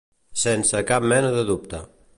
Sense cap mena de dubte.